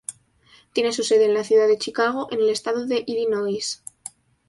Tiene su sede en la ciudad de Chicago, en el estado de Illinois.